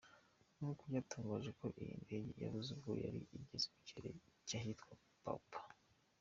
Nkuko byatangajwe ngo iyi ndege yabuze ubwo yari igeze mu kirere cy’ahitwa Papua.